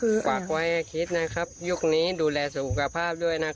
ฝากไว้ให้คิดนะครับยุคนี้ดูแลสุขภาพด้วยนะครับ